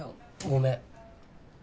ごめん。